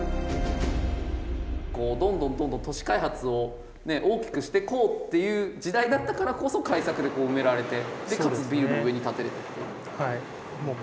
こうどんどんどんどん都市開発をね大きくしてこうっていう時代だったからこそ開削でこう埋められてでかつビルも上に建てれてっていう。